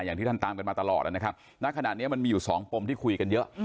ด้านล่างมันจะมียังอยู่สองตมที่จะคุยกันเยอะ